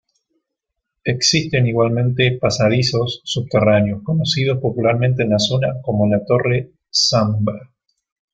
Existen igualmente pasadizos subterráneos, conocidos popularmente en la zona como La Torre Zambra.